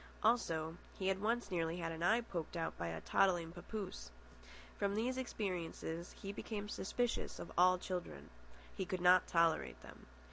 Also, he had once nearly had an eye poked out by a toddling papoose. From these experiences he became suspicious of all children. He could not tolerate them.